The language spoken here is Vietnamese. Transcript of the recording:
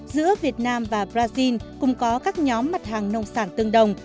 giữa việt nam và brazil cùng có các nhóm mặt hàng nông sản tương đồng